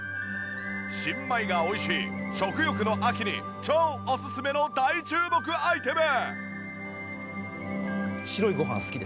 新米が美味しい食欲の秋に超おすすめの大注目アイテム！